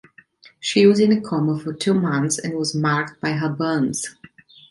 She was in a coma for two months and was marked by her burns.